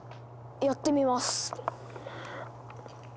やってみます。